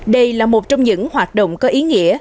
đây là một trong những hoạt động có ý nghĩa